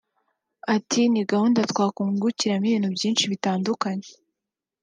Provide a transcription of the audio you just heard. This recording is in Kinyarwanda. Ati “Ni gahunda twakungukiramo ibintu byinshi bitandukanye